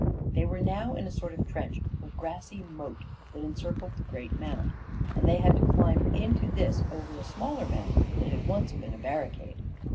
They were now in a sort of trench or grassy moat that encircled the great mound, and they had climbed into this over a smaller mound that had once been a barricade.